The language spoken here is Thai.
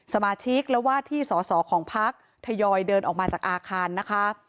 สมาชิกและว่าที่สอสอของพักทยอยเดินออกมาจากอาคารนะคะ